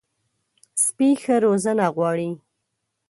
سپي ښه روزنه غواړي.